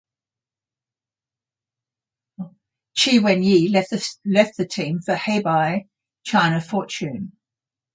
Chi Wenyi left the team for Hebei China Fortune.